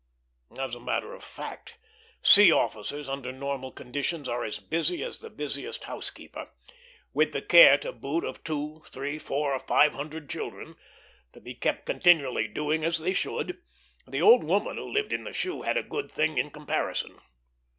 As a matter of fact, sea officers under normal conditions are as busy as the busiest house keeper, with the care to boot of two, three, four, or five hundred children, to be kept continually doing as they should; the old woman who lived in the shoe had a good thing in comparison.